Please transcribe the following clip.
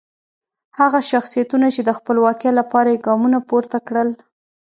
هغه شخصیتونه چې د خپلواکۍ لپاره یې ګامونه پورته کړل.